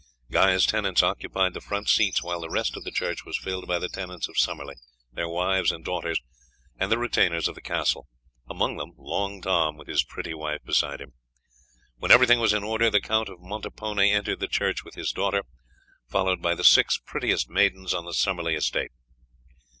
Guy's tenants occupied the front seats, while the rest of the church was filled by the tenants of Summerley, their wives and daughters, and the retainers of the castle, among them Long Tom, with his pretty wife beside him. When everything was in order the Count of Montepone entered the church with his daughter, followed by the six prettiest maidens on the Summerley estate.